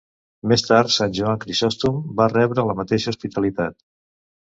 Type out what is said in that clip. Més tard, Sant Joan Crisòstom va rebre la mateixa hospitalitat.